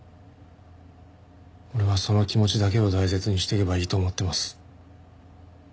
俺はその気持ちだけを大切にしていけばいいと思ってます。